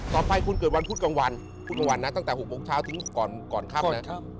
ต่อไปคุณเกิดวันพุธกลางวันพุธกลางวันนะตั้งแต่๖โมงเช้าถึงก่อนค่ำนะ